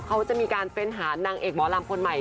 เขาจะมีการเฟ้นหานางเอกหมอลำคนใหม่